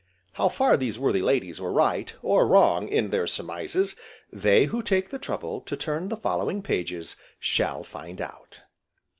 How far these worthy ladies were right, or wrong in their surmises, they who take the trouble to turn the following pages, shall find out.